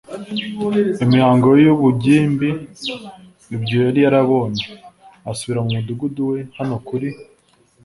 imihango y'ubugimbi, ibyo yari yarabonye, asubira mu mudugudu we. hano, kuri